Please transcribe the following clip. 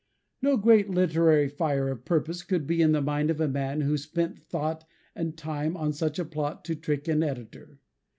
No great literary fire of purpose could be in the mind of a man who spent thought and time on such a plot to trick an editor.